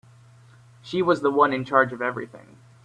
She was the one in charge of everything.